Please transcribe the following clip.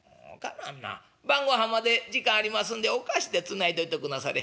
「晩ごはんまで時間ありますんでお菓子でつないどいておくんなされ。